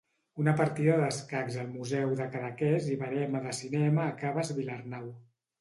Una partida d'escacs al Museu de Cadaqués i verema de cinema a Caves Vilarnau.